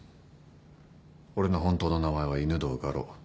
俺の本当の名前は犬堂ガロ。